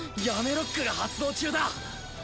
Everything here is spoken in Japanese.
ヤメロックが発動中だ！